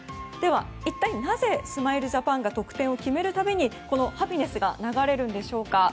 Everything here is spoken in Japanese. では、一体なぜスマイルジャパンが得点を決める度にこの「Ｈａｐｐｉｎｅｓｓ」が流れるんでしょうか。